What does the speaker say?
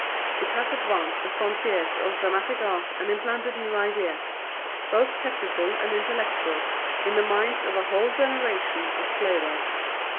It has advanced the frontiers of dramatic art and implanted new ideals, both technical and intellectual, in the minds of a whole generation of playwrights.